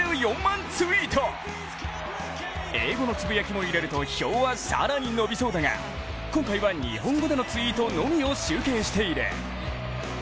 英語のつぶやきも入れると票は更に伸びそうだが今回は日本語でのツイートのみを集計している。